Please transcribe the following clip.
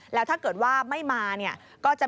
แล้วถ้าเกิดว่าไม่มาก็จะมีการ